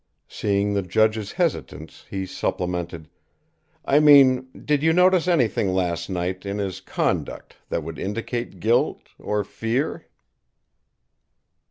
Seeing the judge's hesitance, he supplemented: "I mean, did you notice anything last night, in his conduct, that would indicate guilt or fear?"